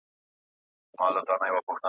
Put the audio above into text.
خان له ډېره وخته خر او آس لرله .